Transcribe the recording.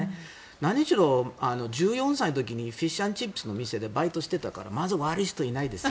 何しろ１４歳の時にフィッシュアンドチップスの店でバイトをしていたからまず悪い人はいないですよ。